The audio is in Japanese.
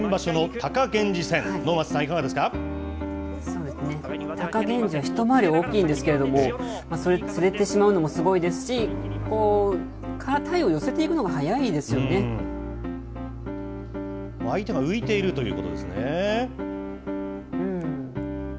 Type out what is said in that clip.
貴源治は一回り大きいんですけれども、それをつれてしまうのもすごいですし、こう、相手が浮いているということですね。